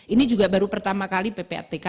ini juga baru pertama kali ppatk